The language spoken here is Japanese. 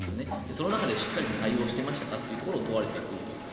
その中で、しっかり対応していましたかということを問われてくると。